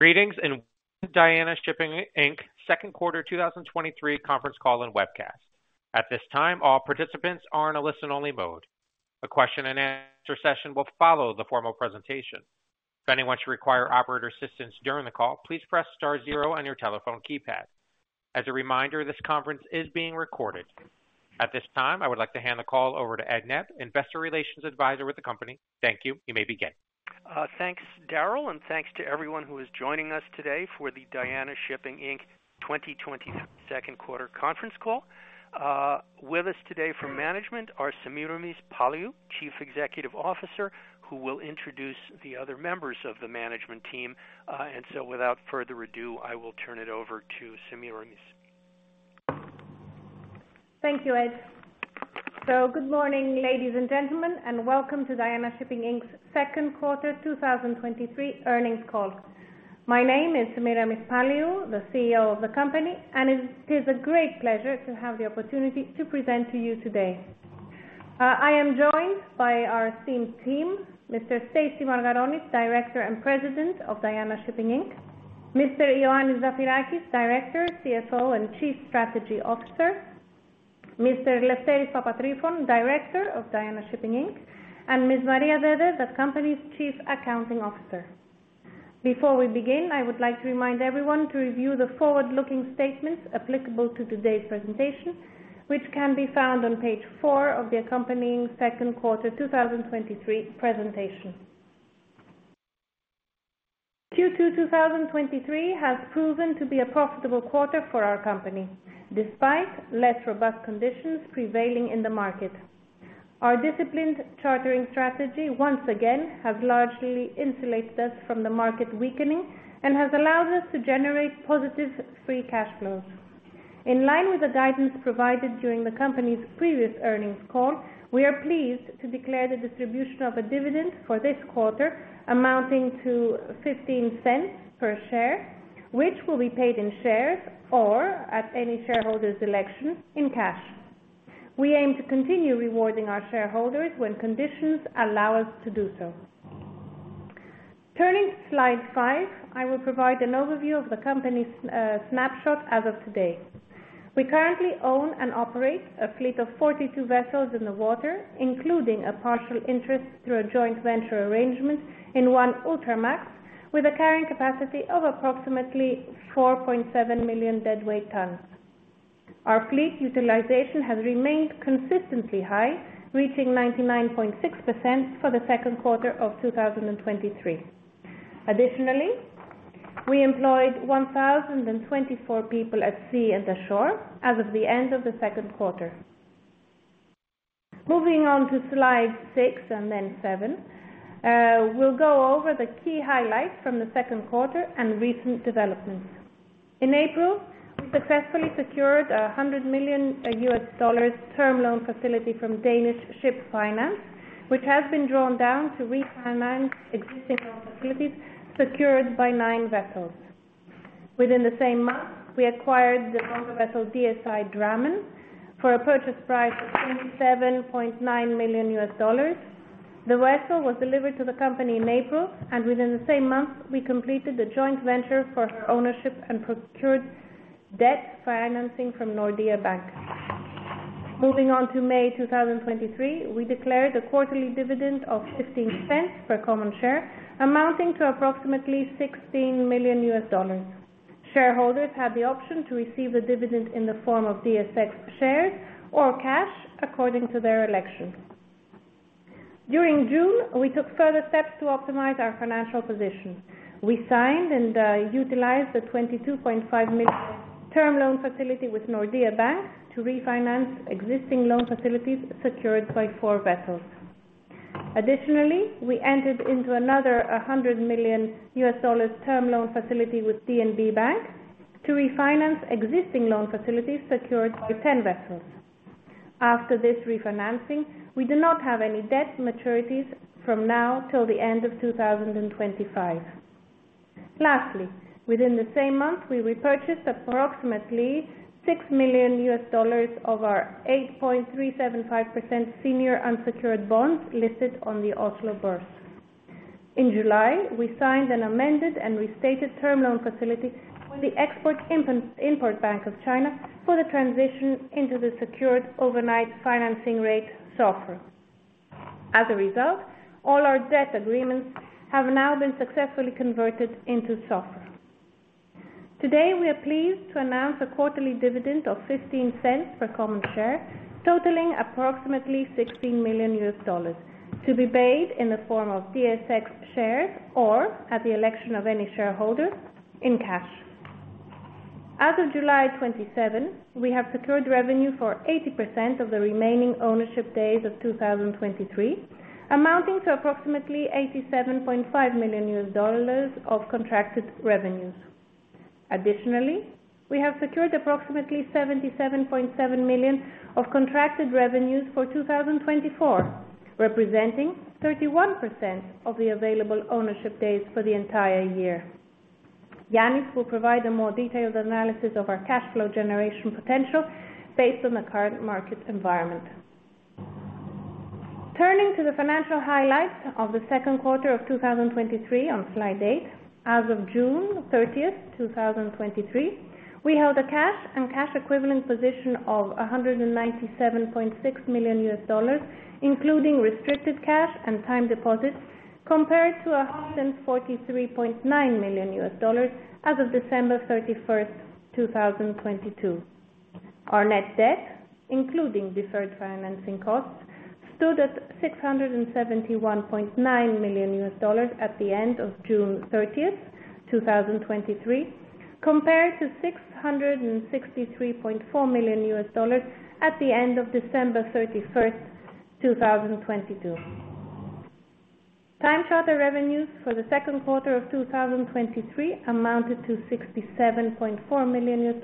Greetings, Diana Shipping Inc., Q2 2023 Conference Call and webcast. At this time, all participants are in a listen-only mode. A question and answer session will follow the formal presentation. If anyone should require operator assistance during the call, please press star zero on your telephone keypad. As a reminder, this conference is being recorded. At this time, I would like to hand the call over to Edward Nebb, investor relations advisor with the company. Thank you. You may begin. Thanks, Daryl, and thanks to everyone who is joining us today for the Diana Shipping Inc. 2023 Q2 Conference Call. With us today from management are Semiramis Paliou, Chief Executive Officer, who will introduce the other members of the management team. Without further ado, I will turn it over to Semiramis. Thank you, Ed. Good morning, ladies and gentlemen, and welcome to Diana Shipping Inc.'s Q2 2023 Earnings Call. My name is Semiramis Paliou, the CEO of the company, and it is a great pleasure to have the opportunity to present to you today. I am joined by our esteemed team, Mr. Stasios Margaronis, Director and President of Diana Shipping Inc., Mr. Ioannis Zafirakis, Director, CFO, and Chief Strategy Officer, Mr. Lefteris Papatrifon, Director of Diana Shipping Inc., and Ms. Maria Dede, the company's Chief Accounting Officer. Before we begin, I would like to remind everyone to review the forward-looking statements applicable to today's presentation, which can be found on page four of the accompanying Q2 2023 presentation. Q2 2023 has proven to be a profitable quarter for our company, despite less robust conditions prevailing in the market. Our disciplined chartering strategy, once again, has largely insulated us from the market weakening and has allowed us to generate positive free cash flows. In line with the guidance provided during the company's previous earnings call, we are pleased to declare the distribution of a dividend for this quarter, amounting to $0.15 per share, which will be paid in shares or at any shareholder's election, in cash. We aim to continue rewarding our shareholders when conditions allow us to do so. Turning to Slide 5, I will provide an overview of the company's snapshot as of today. We currently own and operate a fleet of 42 vessels in the water, including a partial interest through a joint venture arrangement in one Ultramax, with a carrying capacity of approximately 4.7 million deadweight tons. Our fleet utilization has remained consistently high, reaching 99.6% for the Q2 of 2023. Additionally, we employed 1,024 people at sea and ashore as of the end of the Q2. Moving on to Slide 6 and then 7, we'll go over the key highlights from the Q2 and recent developments. In April, we successfully secured a $100 million term loan facility from Danish Ship Finance, which has been drawn down to refinance existing loan facilities secured by 9 vessels. Within the same month, we acquired the longer vessel, DSI Drammen, for a purchase price of $27.9 million. The vessel was delivered to the company in April, and within the same month, we completed a joint venture for her ownership and procured debt financing from Nordea Bank. Moving on to May 2023, we declared a quarterly dividend of $0.15 per common share, amounting to approximately $16 million. Shareholders had the option to receive the dividend in the form of DSX shares or cash, according to their election. During June, we took further steps to optimize our financial position. We signed and utilized a $22.5 million term loan facility with Nordea Bank to refinance existing loan facilities secured by four vessels. Additionally, we entered into another $100 million term loan facility with DNB Bank to refinance existing loan facilities secured by 10 vessels. After this refinancing, we do not have any debt maturities from now till the end of 2025. Lastly, within the same month, we repurchased approximately $6 million of our 8.375% senior unsecured bonds listed on the Oslo Børs. In July, we signed an amended and restated term loan facility with the Export-Import Bank of China for the transition into the secured overnight financing rate, SOFR. As a result, all our debt agreements have now been successfully converted into SOFR. Today, we are pleased to announce a quarterly dividend of $0.15 per common share, totaling approximately $16 million, to be paid in the form of DSX shares or at the election of any shareholder, in cash. As of July 27, we have secured revenue for 80% of the remaining ownership days of 2023, amounting to approximately $87.5 million of contracted revenues. Additionally, we have secured approximately $77.7 million of contracted revenues for 2024, representing 31% of the available ownership days for the entire year. Ioannis will provide a more detailed analysis of our cash flow generation potential based on the current market environment. Turning to the financial highlights of the Q2 of 2023 on Slide 8. As of June 30th, 2023, we held a cash and cash equivalent position of $197.6 million, including restricted cash and time deposits, compared to $143.9 million as of December 31st, 2022. Our net debt, including deferred financing costs, stood at $671.9 million at the end of June 30, 2023, compared to $663.4 million at the end of December 31, 2022. Time charter revenues for the Q2 of 2023 amounted to $67.4 million,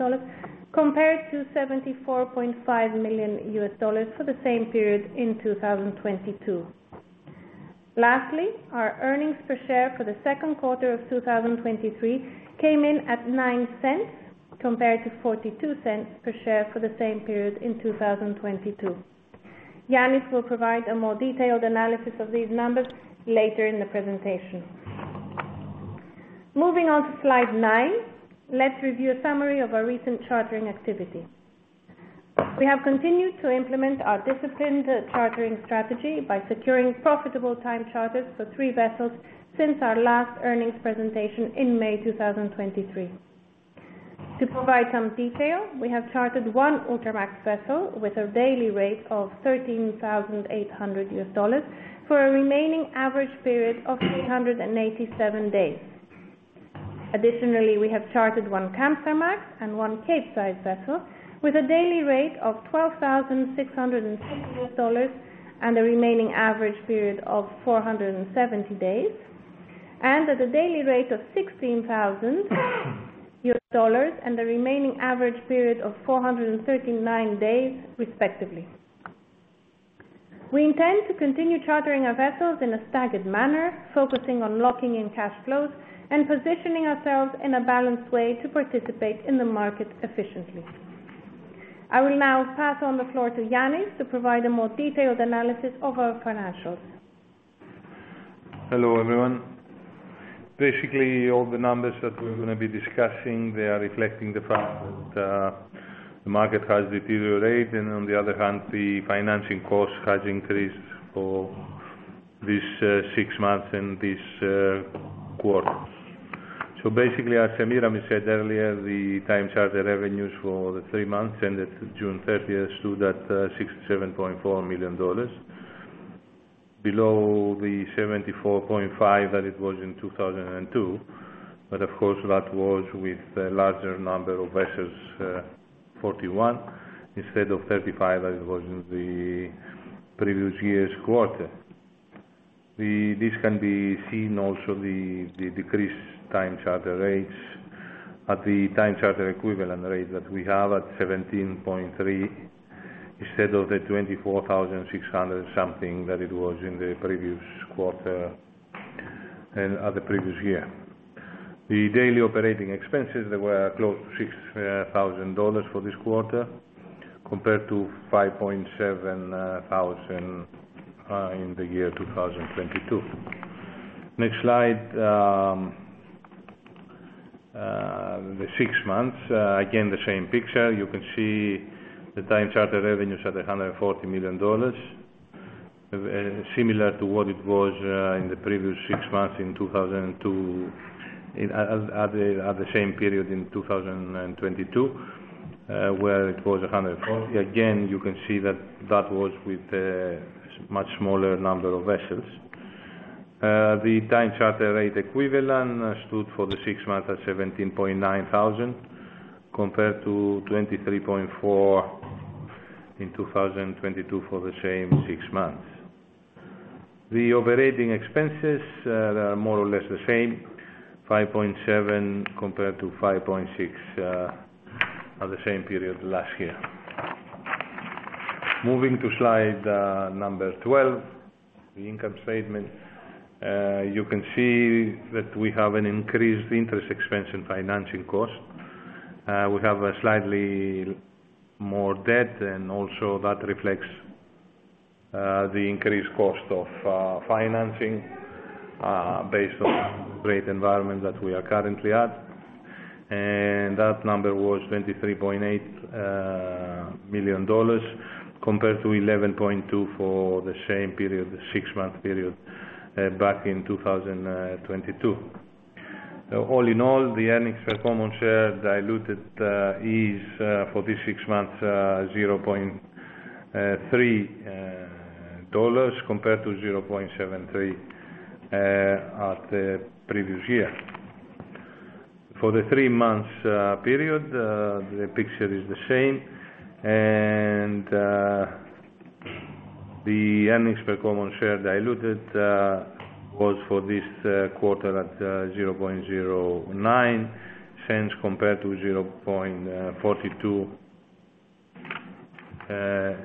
compared to $74.5 million for the same period in 2022. Lastly, our earnings per share for the Q2 of 2023 came in at $0.09, compared to $0.42 per share for the same period in 2022. Ioannis will provide a more detailed analysis of these numbers later in the presentation. Moving on to Slide 9, let's review a summary of our recent chartering activity. We have continued to implement our disciplined chartering strategy by securing profitable time charters for three vessels since our last earnings presentation in May 2023. To provide some detail, we have chartered one Ultramax vessel with a daily rate of $13,800 for a remaining average period of 387 days. Additionally, we have chartered one Panamax and one Capesize vessel with a daily rate of $12,660, and a remaining average period of 470 days, and at a daily rate of $16,000 and a remaining average period of 439 days, respectively. We intend to continue chartering our vessels in a staggered manner, focusing on locking in cash flows and positioning ourselves in a balanced way to participate in the market efficiently. I will now pass on the floor to Ioannis to provide a more detailed analysis of our financials. Hello, everyone. Basically, all the numbers that we're gonna be discussing, they are reflecting the fact that the market has deteriorated and on the other hand, the financing cost has increased for this 6 months and this quarter. Basically, as Semiramis said earlier, the time charter revenues for the 3 months ended June 30th, stood at $67.4 million, below the $74.5 million that it was in 2002. Of course, that was with a larger number of vessels, 41 instead of 35, as it was in the previous year's quarter. This can be seen also the, the decreased time charter rates at the time charter equivalent rate that we have at $17.3, instead of the $24,600 something that it was in the previous quarter and at the previous year. The daily operating expenses, they were close to $6,000 for this quarter, compared to $5,700 in 2022. Next slide, the six months. Again, the same picture. You can see the time charter revenues at $140 million, similar to what it was in the previous six months at the same period in 2022, where it was $140 million. Again, you can see that that was with a much smaller number of vessels. The time charter rate equivalent stood for the six months at $17,900, compared to $23,400 in 2022 for the same six months. The operating expenses are more or less the same, $5.7 million compared to $5.6 million at the same period last year. Moving to Slide number 12, the income statement. You can see that we have an increased interest expense and financing cost. We have a slightly more debt, and also that reflects the increased cost of financing based on the rate environment that we are currently at. That number was $23.8 million, compared to $11.2 million for the same period, the six-month period, back in 2022. All in all, the earnings per common share diluted is for this six months $0.3 compared to $0.73 at the previous year. For the three months period, the picture is the same, and the earnings per common share diluted was for this quarter at $0.09 compared to $0.42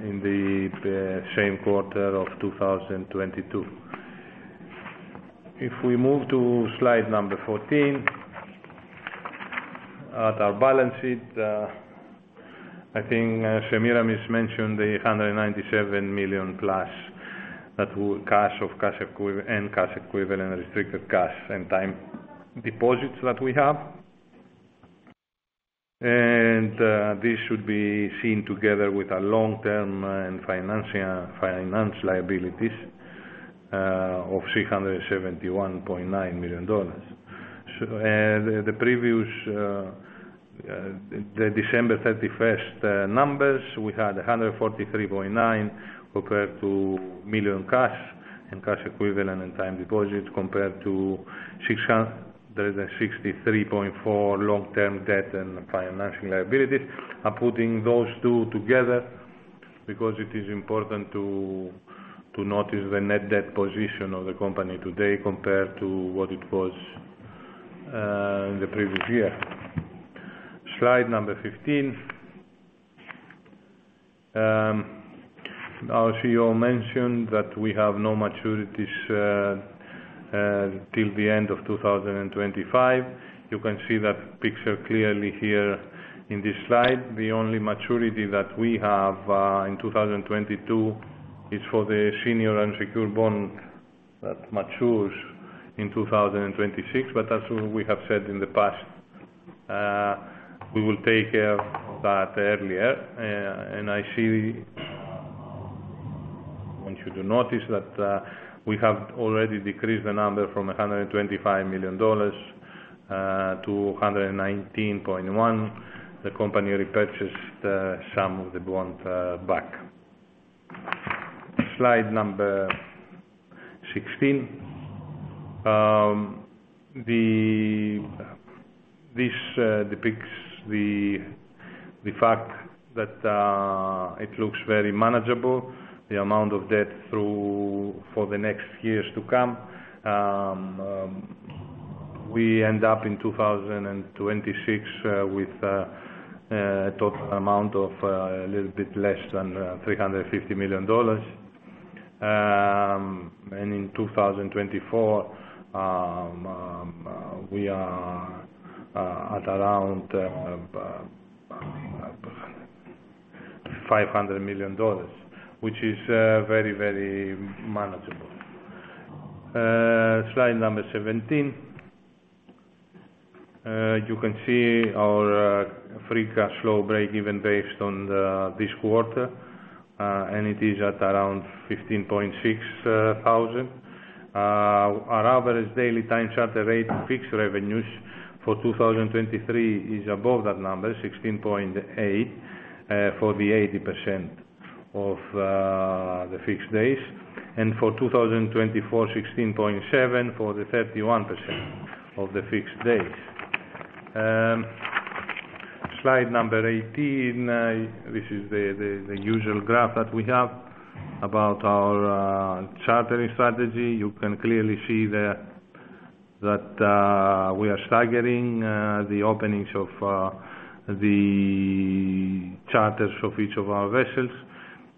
in the same quarter of 2022. If we move to Slide number 14 at our balance sheet, I think Semiramis has mentioned the $197 million+ that will cash of cash and cash equivalent, restricted cash, and time deposits that we have. This should be seen together with a long-term and financial, finance liabilities of $671.9 million. The previous, the December 31st numbers, we had $143.9 million cash and cash equivalent and time deposits, compared to $663.4 million long-term debt and financial liabilities. I'm putting those two together because it is important to, to notice the net debt position of the company today, compared to what it was in the previous year. Slide number 15. Our CEO mentioned that we have no maturities till the end of 2025. You can see that picture clearly here in this slide. The only maturity that we have in 2022, is for the senior unsecured bond that matures in 2026. As we have said in the past, we will take care of that earlier. I see, and you do notice that, we have already decreased the number from $125 million to $119.1 million. The company repurchased some of the bonds back. Slide number 16. This depicts the fact that it looks very manageable, the amount of debt through for the next years to come. We end up in 2026 with a total amount of a little bit less than $350 million. In 2024, we are at around $500 million, which is very, very manageable. Slide number 17. You can see our free cash flow break even based on the this quarter, and it is at around $15.6 thousand. Our average daily time charter rate fixed revenues for 2023 is above that number, $16.8, for the 80% of the fixed days. For 2024, $16.7 for the 31% of the fixed days. Slide number 18, this is the usual graph that we have about our chartering strategy. You can clearly see that we are staggering the openings of the charters of each of our vessels,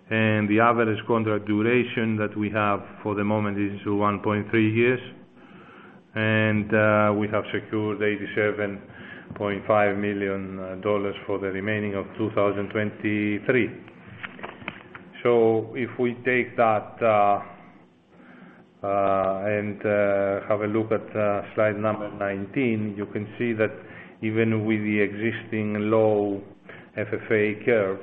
and the average contract duration that we have for the moment is 1.3 years. We have secured $87.5 million for the remaining of 2023. If we take that, and have a look at Slide number 19, you can see that even with the existing low FFA curve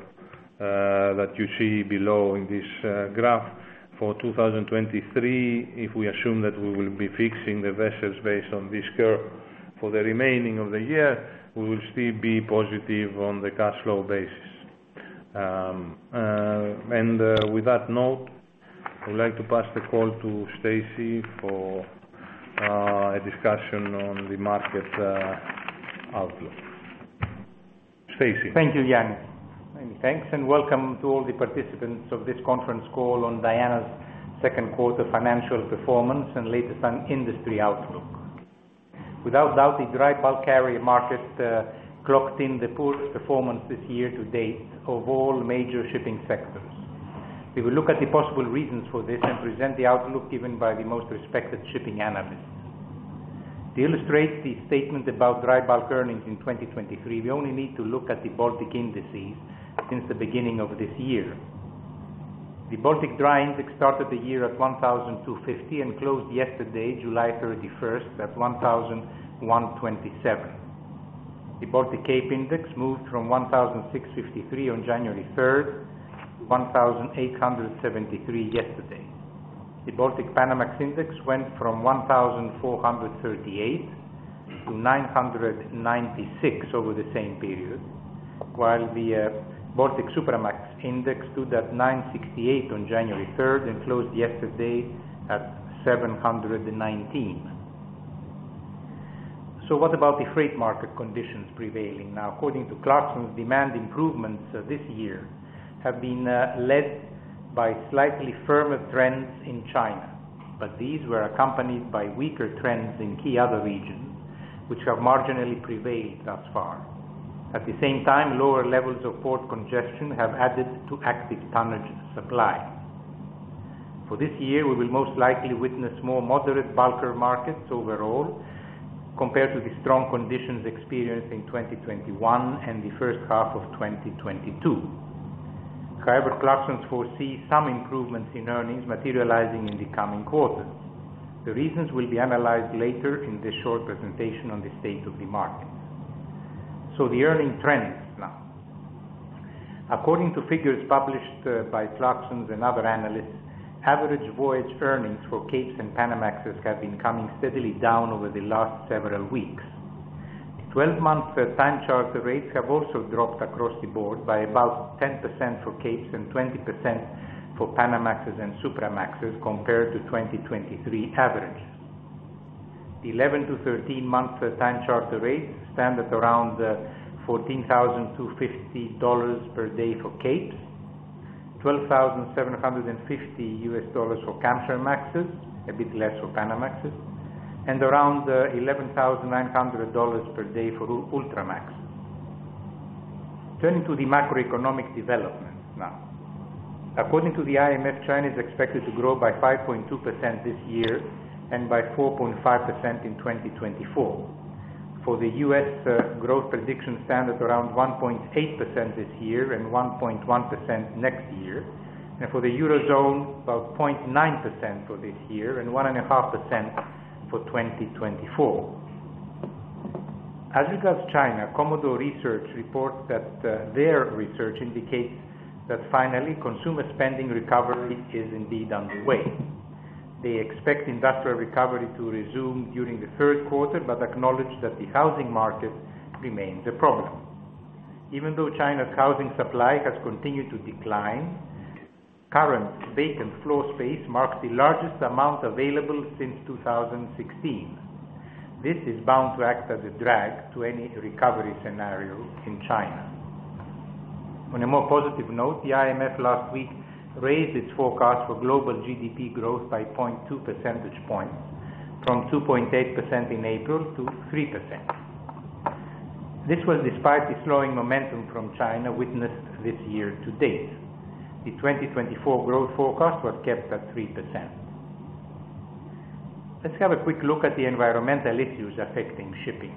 that you see below in this graph for 2023, if we assume that we will be fixing the vessels based on this curve for the remaining of the year, we will still be positive on the cash flow basis. With that note, I would like to pass the call to Stasios for a discussion on the market outlook. Stasios? Thank you, Ioannis. Many thanks, and welcome to all the participants of this conference call on Diana's Q2 financial performance and latest on industry outlook. Without doubt, the dry bulk carrier market clocked in the poorest performance this year to date of all major shipping sectors. We will look at the possible reasons for this and present the outlook given by the most respected shipping analysts. To illustrate the statement about dry bulk earnings in 2023, we only need to look at the Baltic indices since the beginning of this year. The Baltic Dry Index started the year at 1,250 and closed yesterday, July 31st, at 1,127. The Baltic Cape Index moved from 1,653 on January 3rd, to 1,873 yesterday. The Baltic Panamax Index went from 1,438 to 996 over the same period, while the Baltic Supramax Index stood at 968 on January third and closed yesterday at 719. What about the freight market conditions prevailing? Now, according to Clarksons demand improvements this year have been led by slightly firmer trends in China, but these were accompanied by weaker trends in key other regions, which have marginally prevailed thus far. At the same time, lower levels of port congestion have added to active tonnage supply. For this year, we will most likely witness more moderate bulker markets overall, compared to the strong conditions experienced in 2021 and the first half of 2022. Clarksons foresee some improvements in earnings materializing in the coming quarters. The reasons will be analyzed later in this short presentation on the state of the market. The earning trends now. According to figures published by Clarksons and other analysts, average voyage earnings for Capes and Panamax have been coming steadily down over the last several weeks. The 12-month time charter rates have also dropped across the board by about 10% for Capes and 20% for Panamax and Supramax, compared to 2023 average. The 11-13 month time charter rates stand at around $14,000-$14,050 per day for Capes, $12,750 for Kamsarmaxes, a bit less for Panamax, and around $11,900 per day for Ultramax. Turning to the macroeconomic development now. According to the IMF, China is expected to grow by 5.2% this year and by 4.5% in 2024. For the US, growth prediction stand at around 1.8% this year and 1.1% next year. For the Eurozone, about 0.9% for this year and 1.5% for 2024. As regards China, Commodore Research reports that their research indicates that finally, consumer spending recovery is indeed on the way. They expect industrial recovery to resume during the Q3, but acknowledge that the housing market remains a problem. Even though China's housing supply has continued to decline, current vacant floor space marks the largest amount available since 2016. This is bound to act as a drag to any recovery scenario in China. On a more positive note, the IMF last week raised its forecast for global GDP growth by 0.2 percentage points, from 2.8% in April to 3%. This was despite the slowing momentum from China witnessed this year to date. The 2024 growth forecast was kept at 3%. Let's have a quick look at the environmental issues affecting shipping.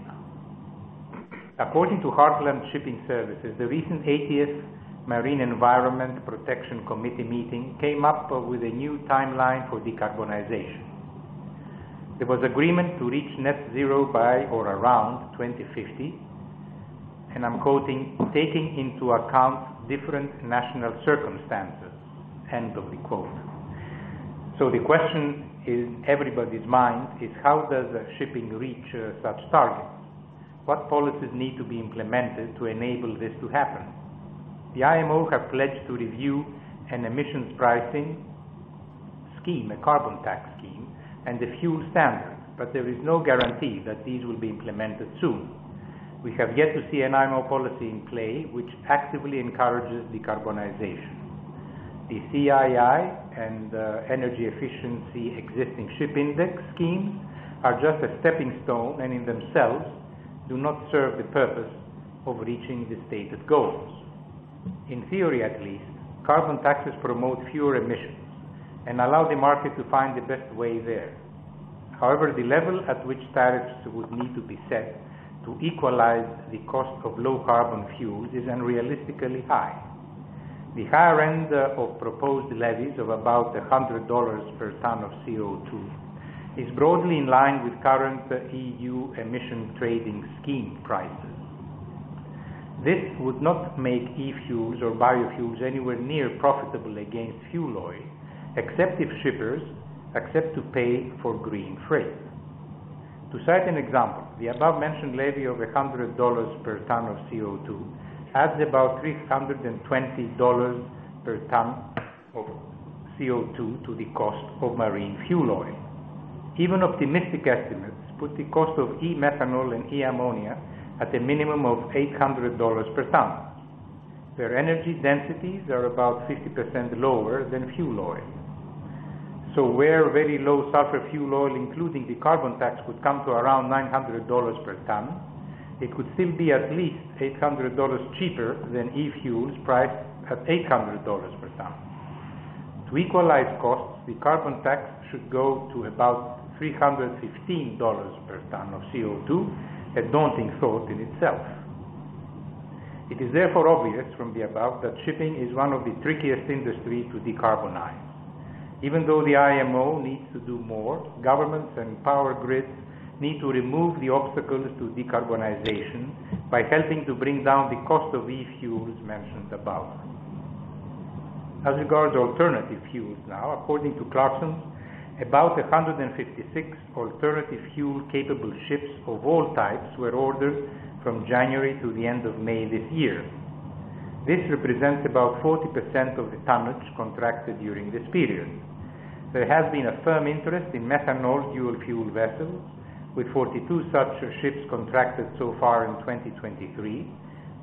According to Hartland Shipping Services, the recent 80th Marine Environment Protection Committee meeting came up with a new timeline for decarbonization. There was agreement to reach net zero by or around 2050, and I'm quoting, "Taking into account different national circumstances." The question in everybody's mind is: How does shipping reach such targets? What policies need to be implemented to enable this to happen? The IMO have pledged to review an emissions pricing scheme, a carbon tax scheme, and the fuel standard, but there is no guarantee that these will be implemented soon. We have yet to see an IMO policy in play, which actively encourages decarbonization. The CII and Energy Efficiency Existing Ship Index schemes are just a stepping stone and in themselves do not serve the purpose of reaching the stated goals. In theory, at least, carbon taxes promote fewer emissions and allow the market to find the best way there. However, the level at which tariffs would need to be set to equalize the cost of low carbon fuel is unrealistically high. The higher end of proposed levies of about $100 per ton of CO2, is broadly in line with current EU Emissions Trading System prices. This would not make e-fuels or biofuels anywhere near profitable against fuel oil, except if shippers accept to pay for green freight. To cite an example, the above-mentioned levy of $100 per ton of CO2 adds about $320 per ton of CO2 to the cost of marine fuel oil. Even optimistic estimates put the cost of e-methanol and e-ammonia at a minimum of $800 per ton. Their energy densities are about 50% lower than fuel oil. Where very low sulfur fuel oil, including the carbon tax, would come to around $900 per ton, it could still be at least $800 cheaper than e-fuels priced at $800 per ton. To equalize costs, the carbon tax should go to about $315 per ton of CO2, a daunting thought in itself. It is therefore obvious from the above, that shipping is one of the trickiest industry to decarbonize. Even though the IMO needs to do more, governments and power grids need to remove the obstacles to decarbonization by helping to bring down the cost of e-fuels mentioned above. As regards alternative fuels now, according to Clarksons, about 156 alternative fuel-capable ships of all types were ordered from January to the end of May this year. This represents about 40% of the tonnage contracted during this period. There has been a firm interest in methanol dual-fuel vessels, with 42 such ships contracted so far in 2023,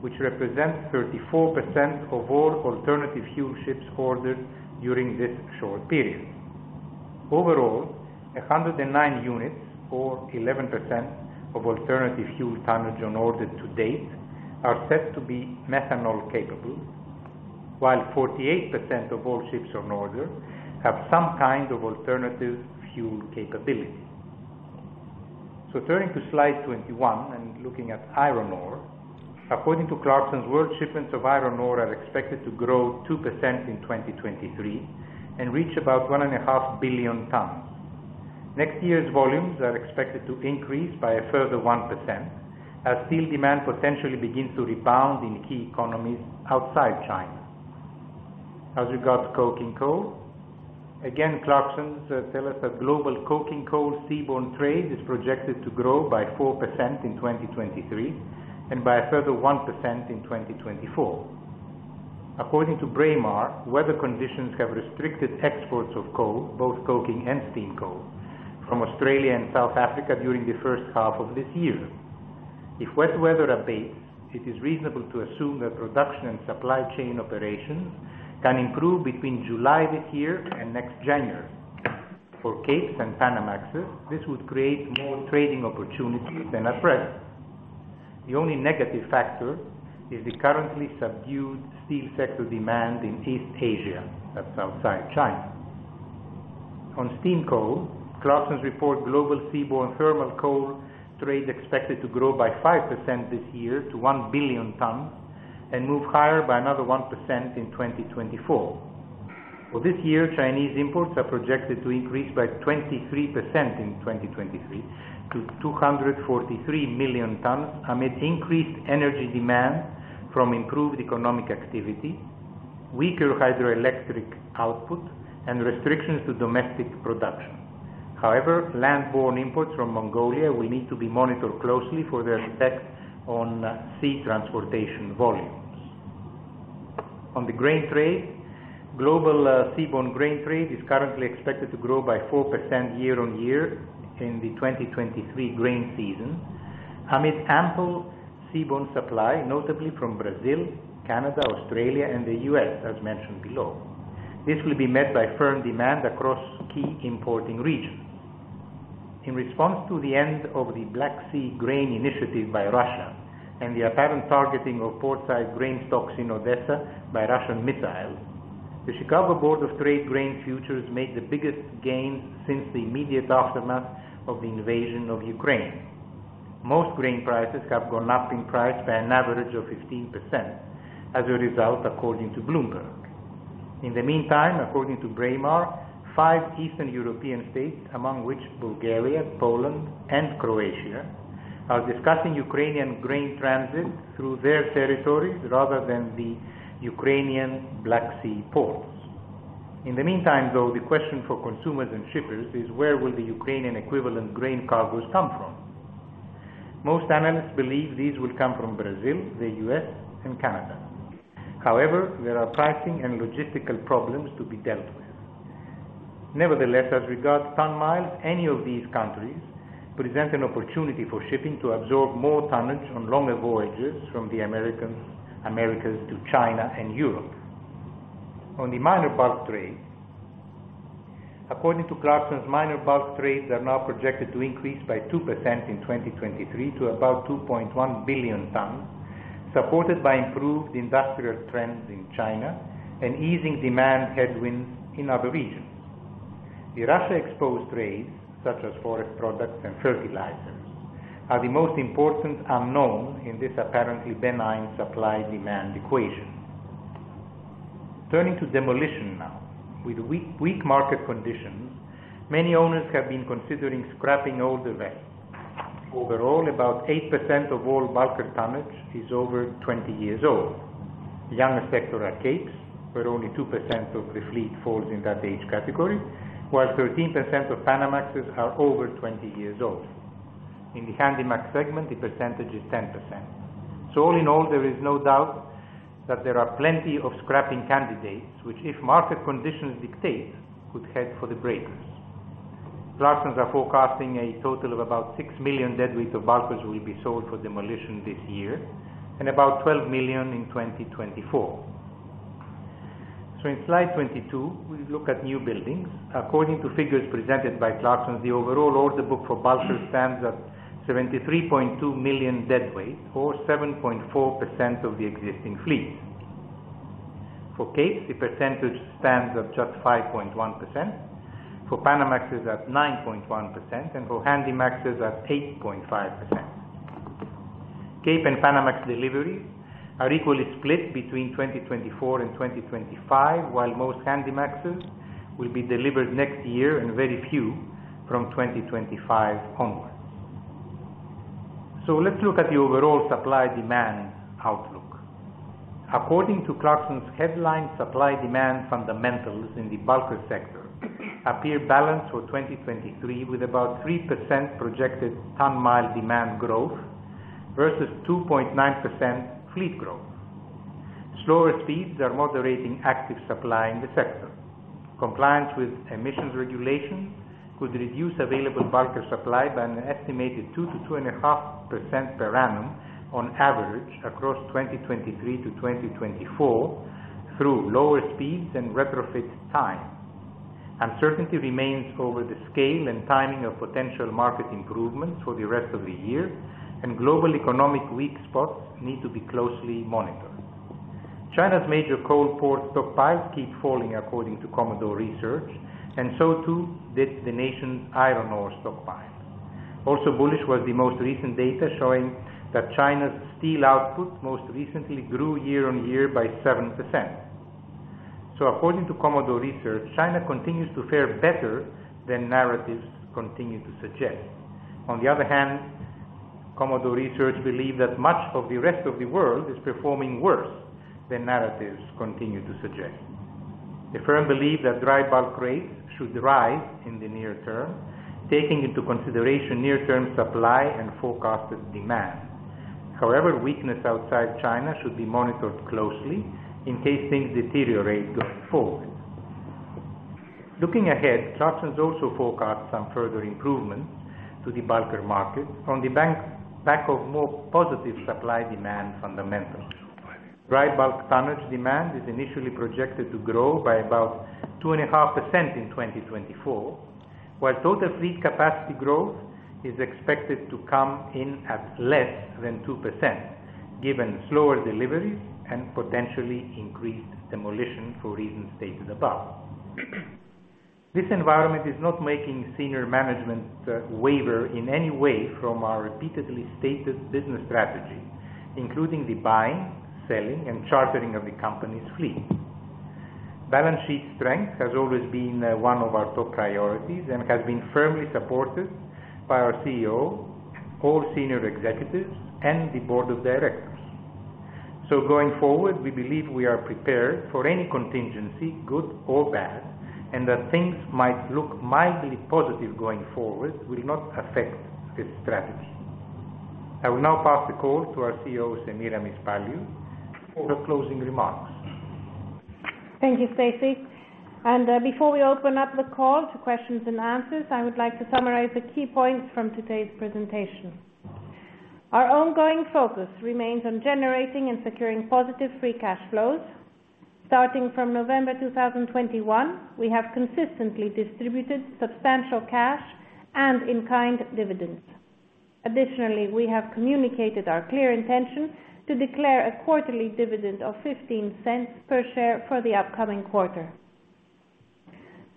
which represents 34% of all alternative fuel ships ordered during this short period.... Overall, 109 units or 11% of alternative fuel tonnage on order to date are set to be methanol capable, while 48% of all ships on order have some kind of alternative fuel capability. Turning to Slide 21 and looking at iron ore. According to Clarksons, world shipments of iron ore are expected to grow 2% in 2023, and reach about 1.5 billion tons. Next year's volumes are expected to increase by a further 1%, as steel demand potentially begins to rebound in key economies outside China. As regards coking coal, again, Clarksons tell us that global coking coal seaborne trade is projected to grow by 4% in 2023, and by a further 1% in 2024. According to Braemar, weather conditions have restricted exports of coal, both coking and steam coal, from Australia and South Africa during the first half of this year. If wet weather abates, it is reasonable to assume that production and supply chain operations can improve between July this year and next January. For Capes and Panamax, this would create more trading opportunities than at present. The only negative factor is the currently subdued steel sector demand in East Asia, that's outside China. On steam coal, Clarksons report global seaborne thermal coal trade expected to grow by 5% this year to 1 billion tons and move higher by another 1% in 2024. For this year, Chinese imports are projected to increase by 23% in 2023 to 243 million tons, amid increased energy demand from improved economic activity, weaker hydroelectric output, and restrictions to domestic production. However, landborne imports from Mongolia will need to be monitored closely for their effect on sea transportation volumes. On the grain trade, global seaborne grain trade is currently expected to grow by 4% year on year in the 2023 grain season, amid ample seaborne supply, notably from Brazil, Canada, Australia, and the US, as mentioned below. This will be met by firm demand across key importing regions. In response to the end of the Black Sea Grain Initiative by Russia and the apparent targeting of port side grain stocks in Odessa by Russian missiles, the Chicago Board of Trade grain futures made the biggest gain since the immediate aftermath of the invasion of Ukraine. Most grain prices have gone up in price by an average of 15% as a result, according to Bloomberg. In the meantime, according to Braemar, five Eastern European states, among which Bulgaria, Poland, and Croatia, are discussing Ukrainian grain transit through their territories rather than the Ukrainian Black Sea ports. In the meantime, though, the question for consumers and shippers is where will the Ukrainian equivalent grain cargoes come from? However, there are pricing and logistical problems to be dealt with. Nevertheless, as regards ton-miles, any of these countries present an opportunity for shipping to absorb more tonnage on longer voyages from the Americas, Americas to China and Europe. On the minor bulk trade, according to Clarksons, minor bulk trades are now projected to increase by 2% in 2023 to about 2.1 billion tons, supported by improved industrial trends in China and easing demand headwinds in other regions. The Russia exposed trades, such as forest products and fertilizers, are the most important unknown in this apparently benign supply-demand equation. Turning to demolition now. With weak, weak market conditions, many owners have been considering scrapping older vessels. Overall, about 8% of all bulker tonnage is over 20 years old. The youngest sector are Capes, but only 2% of the fleet falls in that age category, while 13% of Panamax are over 20 years old. In the Handymax segment, the percentage is 10%. All in all, there is no doubt that there are plenty of scrapping candidates, which, if market conditions dictate, could head for the breakers. Clarksons are forecasting a total of about 6 million deadweight of bulkers will be sold for demolition this year and about 12 million in 2024. In Slide 22, we look at new buildings. According to figures presented by Clarksons, the overall order book for bulkers stands at 73.2 million deadweight or 7.4% of the existing fleet. For Capes, the percentage stands at just 5.1%, for Panamax is at 9.1%, and for Handymax is at 8.5%. Cape and Panamax deliveries are equally split between 2024 and 2025, while most Handymaxes will be delivered next year and very few from 2025 onwards. Let's look at the overall supply-demand outlook. According to Clarksons, headline supply demand fundamentals in the bulker sector appear balanced for 2023, with about 3% projected ton-mile demand growth versus 2.9% fleet growth. Slower speeds are moderating active supply in the sector. Compliance with emissions regulation could reduce available bulker supply by an estimated 2%-2.5% per annum on average across 2023-2024, through lower speeds and retrofit time. Uncertainty remains over the scale and timing of potential market improvements for the rest of the year, and global economic weak spots need to be closely monitored. China's major coal port stockpiles keep falling according to Commodore Research, and so too did the nation's iron ore stockpile. Also bullish was the most recent data showing that China's steel output most recently grew year-over-year by 7%. According to Commodore Research, China continues to fare better than narratives continue to suggest. On the other hand, Commodore Research believe that much of the rest of the world is performing worse than narratives continue to suggest. The firm believe that dry bulk rates should rise in the near term, taking into consideration near-term supply and forecasted demand. Weakness outside China should be monitored closely in case things deteriorate going forward. Looking ahead, Charters also forecast some further improvements to the bulker market from the bank's lack of more positive supply-demand fundamentals. Dry bulk tonnage demand is initially projected to grow by about 2.5% in 2024, while total fleet capacity growth is expected to come in at less than 2%, given slower deliveries and potentially increased demolition for reasons stated above. This environment is not making senior management waver in any way from our repeatedly stated business strategy, including the buying, selling, and chartering of the company's fleet. Balance sheet strength has always been one of our top priorities and has been firmly supported by our CEO, all senior executives, and the board of directors. Going forward, we believe we are prepared for any contingency, good or bad, and that things might look mildly positive going forward will not affect this strategy. I will now pass the call to our CEO, Semiramis Paliou, for closing remarks. Thank you, Stasios. Before we open up the call to questions and answers, I would like to summarize the key points from today's presentation. Our ongoing focus remains on generating and securing positive free cash flows. Starting from November 2021, we have consistently distributed substantial cash and in-kind dividends. Additionally, we have communicated our clear intention to declare a quarterly dividend of $0.15 per share for the upcoming quarter.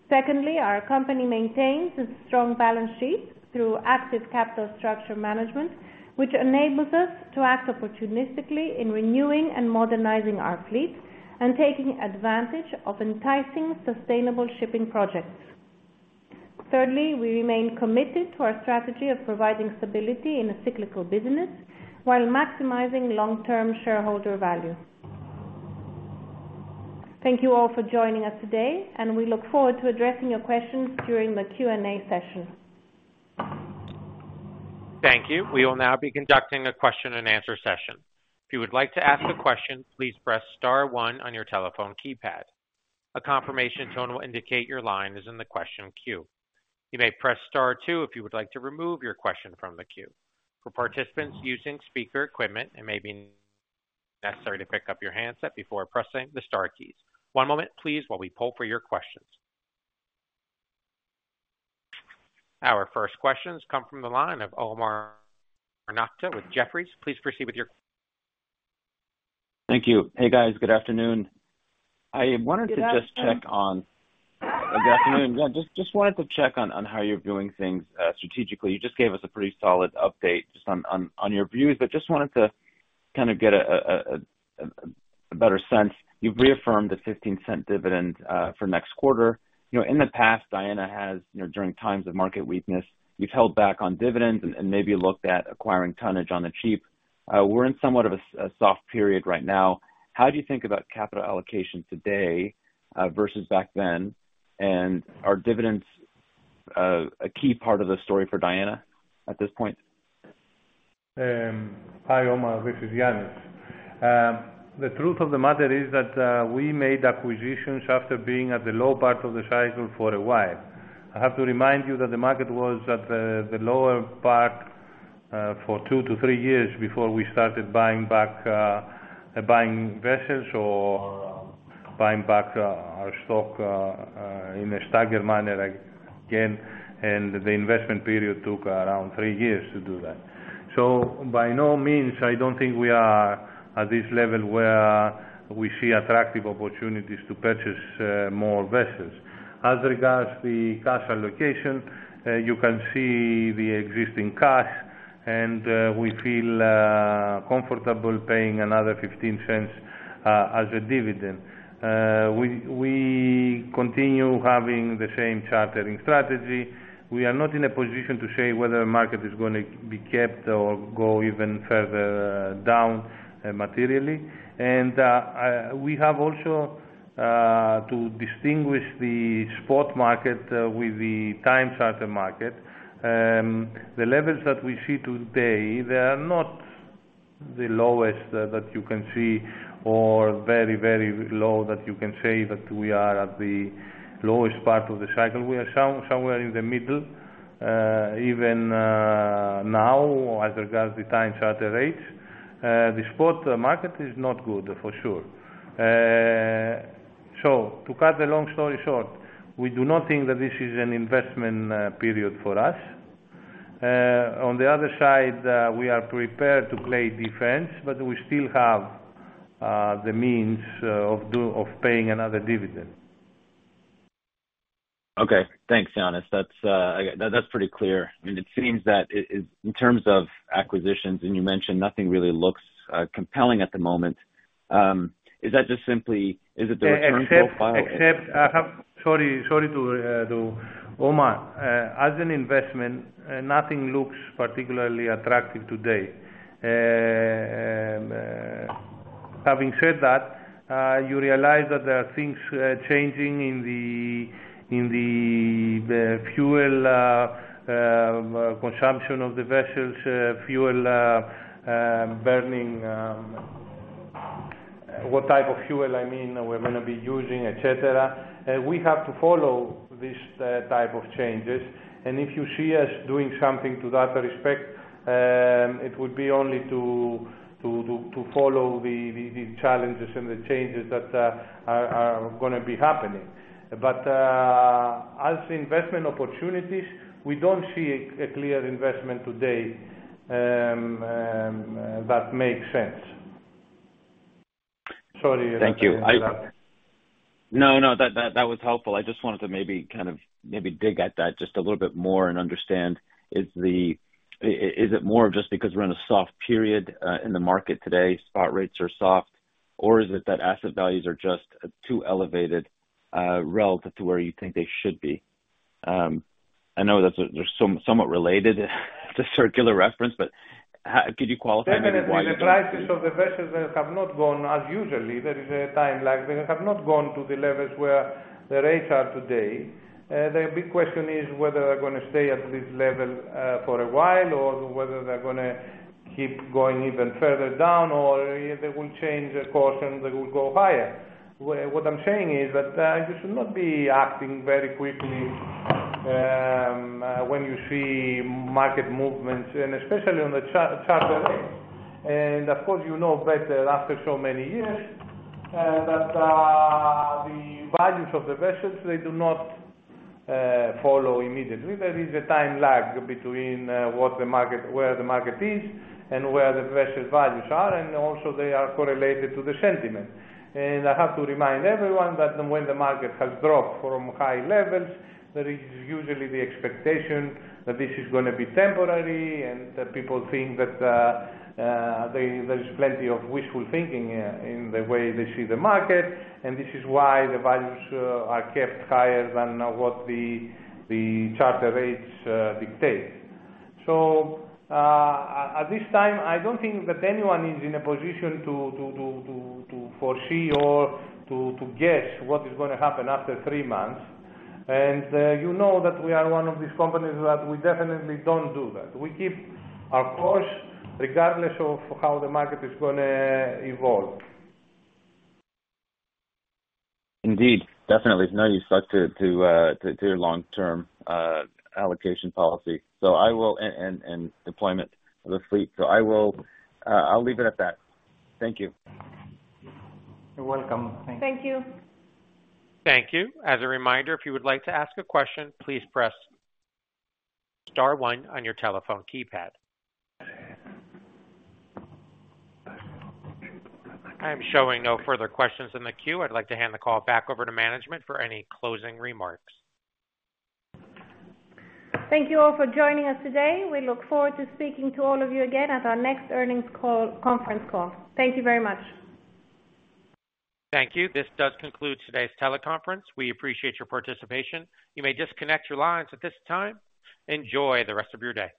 Secondly, our company maintains a strong balance sheet through active capital structure management, which enables us to act opportunistically in renewing and modernizing our fleet and taking advantage of enticing sustainable shipping projects. Thirdly, we remain committed to our strategy of providing stability in a cyclical business while maximizing long-term shareholder value. Thank you all for joining us today, and we look forward to addressing your questions during the Q&A session. Thank you. We will now be conducting a question-and-answer session. If you would like to ask a question, please press star one on your telephone keypad. A confirmation tone will indicate your line is in the question queue. You may press star two if you would like to remove your question from the queue. For participants using speaker equipment, it may be necessary to pick up your handset before pressing the star keys. One moment, please, while we poll for your questions. Our first questions come from the line of Omar Nokta with Jefferies. Please proceed with. Thank you. Hey, guys. Good afternoon. I wanted to just check. Good afternoon. Good afternoon. Yeah, just, just wanted to check on, on how you're viewing things strategically. You just gave us a pretty solid update just on, on, on your views, but just wanted to kind of get a better sense. You've reaffirmed the $0.15 dividend for next quarter. You know, in the past, Diana has, you know, during times of market weakness, you've held back on dividends and, and maybe looked at acquiring tonnage on the cheap. We're in somewhat of a soft period right now. How do you think about capital allocation today versus back then? Are dividends a key part of the story for Diana at this point? Hi, Omar, this is Ioannis. The truth of the matter is that we made acquisitions after being at the low part of the cycle for a while. I have to remind you that the market was at the, the lower part, for 2-3 years before we started buying back, buying vessels or buying back, our stock, in a staggered manner again, and the investment period took around 3 years to do that. By no means, I don't think we are at this level where we see attractive opportunities to purchase more vessels. As regards the cash allocation, you can see the existing cash, and we feel comfortable paying another $0.15 as a dividend. We, we continue having the same chartering strategy. We are not in a position to say whether the market is gonna be kept or go even further down, materially. We have also to distinguish the spot market with the time charter market. The levels that we see today, they are not the lowest that you can see or very, very low that you can say that we are at the lowest part of the cycle. We are somewhere in the middle, even now, as regards the time charter rates, the spot market is not good, for sure. To cut the long story short, we do not think that this is an investment period for us. On the other side, we are prepared to play defense, we still have the means of paying another dividend. Okay, thanks, Ioannis. That's, that's pretty clear. I mean, it seems that in terms of acquisitions, and you mentioned nothing really looks compelling at the moment. Is that just simply, is it the return profile? Except, except I have... Sorry, sorry to Omar. As an investment, nothing looks particularly attractive today. Having said that, you realize that there are things changing in the, in the, the fuel consumption of the vessels, fuel burning, what type of fuel, I mean, we're going to be using, et cetera. We have to follow these type of changes, and if you see us doing something to that respect, it would be only to follow the challenges and the changes that are going to be happening. As investment opportunities, we don't see a clear investment today that makes sense. Sorry about that. Thank you. No, no, that, that, that was helpful. I just wanted to maybe kind of, maybe dig at that just a little bit more and understand, is it more of just because we're in a soft period in the market today, spot rates are soft, or is it that asset values are just too elevated relative to where you think they should be? I know that's, they're somewhat related to circular reference, but how could you qualify maybe why you don't- Definitely, the prices of the vessels have not gone as usually. There is a time lag, they have not gone to the levels where the rates are today. The big question is whether they're going to stay at this level for a while, or whether they're gonna keep going even further down, or they will change course and they will go higher. What, what I'm saying is that you should not be acting very quickly when you see market movements, and especially on the charter rates. Of course, you know better after so many years that the values of the vessels, they do not follow immediately. There is a time lag between where the market is and where the vessels values are, and also they are correlated to the sentiment. I have to remind everyone that when the market has dropped from high levels, there is usually the expectation that this is going to be temporary, and that people think that there's plenty of wishful thinking in the way they see the market, and this is why the values are kept higher than what the charter rates dictate. At this time, I don't think that anyone is in a position to foresee or to guess what is going to happen after three months. You know that we are one of these companies that we definitely don't do that. We keep our course, regardless of how the market is gonna evolve. Indeed, definitely. You stuck to your long-term allocation policy. I will and deployment of the fleet. I will, I'll leave it at that. Thank you. You're welcome. Thank you. Thank you. Thank you. As a reminder, if you would like to ask a question, please press star one on your telephone keypad. I'm showing no further questions in the queue. I'd like to hand the call back over to management for any closing remarks. Thank you all for joining us today. We look forward to speaking to all of you again at our next earnings call, conference call. Thank you very much. Thank you. This does conclude today's teleconference. We appreciate your participation. You may disconnect your lines at this time. Enjoy the rest of your day.